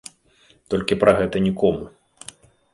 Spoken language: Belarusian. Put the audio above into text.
Толькі пра гэта нікому.